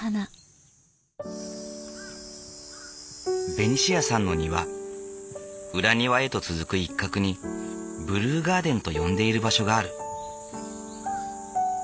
ベニシアさんの庭裏庭へと続く一角にブルーガーデンと呼んでいる場所がある。